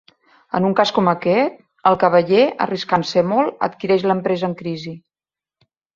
En un cas com aquest, el cavaller, arriscant-se molt, adquireix l'empresa en crisi.